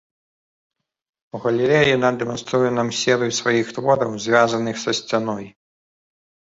У галерэі яна дэманструе нам серыю сваіх твораў, звязаных са сцяной.